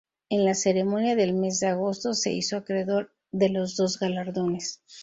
En la ceremonia del mes de agosto, se hizo acreedor de los dos galardones.